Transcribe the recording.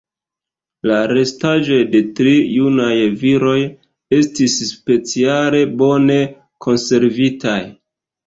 La restaĵoj de tri junaj viroj estis speciale bone konservitaj.